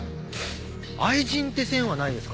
愛人って線はないですか？